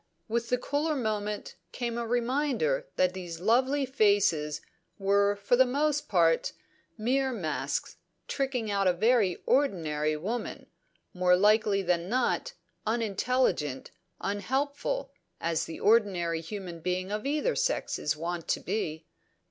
With the cooler moment came a reminder that these lovely faces were for the most part mere masks, tricking out a very ordinary woman, more likely than not unintelligent, unhelpful, as the ordinary human being of either sex is wont to be.